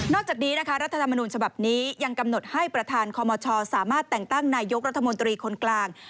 จากนี้นะคะรัฐธรรมนูญฉบับนี้ยังกำหนดให้ประธานคอมชสามารถแต่งตั้งนายกรัฐมนตรีคนกลาง